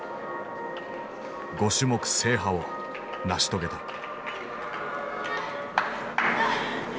５種目制覇を成し遂げた。